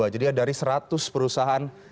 jadi dari seratus perusahaan